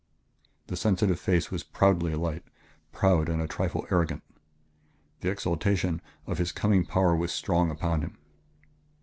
The sensitive face was proudly alight, proud and a trifle arrogant. The exaltation of his coming power was strong upon him.